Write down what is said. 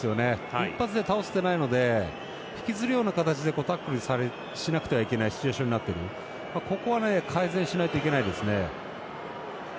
一発で倒せてないので引きずるような形でタックルしなくてはいけないシチュエーションになっているところは改善しないといけないですね。